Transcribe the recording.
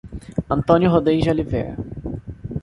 Antônio Rodrigues de Oliveira